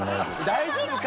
大丈夫か？